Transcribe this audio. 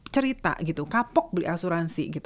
cerita kapok beli asuransi